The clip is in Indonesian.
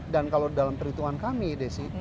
dan kalau dalam perhitungan kami desi